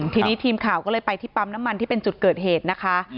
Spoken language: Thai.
ทีนี้ทีมข่าวก็เลยไปที่ปั๊มน้ำมันที่เป็นจุดเกิดเหตุนะคะ